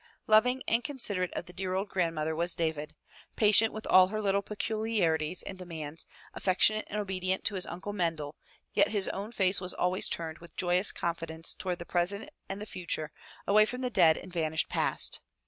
Loving and considerate of the dear old grandmother was David, patient with all her little peculiarities and demands, affectionate and obedient to his uncle Mendel, yet his own face was always turned with joyous confidence toward the present and the future, away from the dead and vanished past.